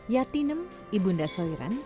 yatinem ibunda soiran